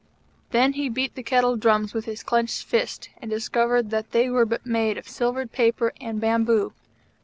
Then he beat the kettle drums with his clenched fist, and discovered that they were but made of silvered paper and bamboo.